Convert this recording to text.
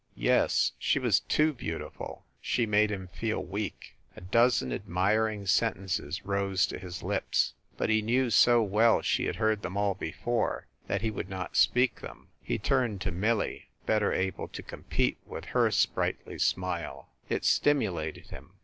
Yes, she was too beautiful; she made him feel weak. A dozen admiring sentences rose to his lips but he knew so well she had heard them all before that he would not speak them. He turned to Millie, better able to compete with her sprightly smile. It stimulated him.